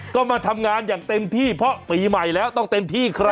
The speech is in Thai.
ก็มาทำงานอย่างเต็มที่เพราะปีใหม่แล้วต้องเต็มที่ครับ